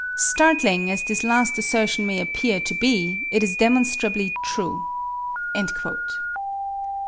Startling as this last assertion may appear to be, it is demonstrably true."